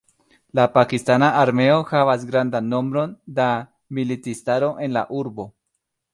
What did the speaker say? La pakistana armeo havas grandan nombron da militistaro en la urbo.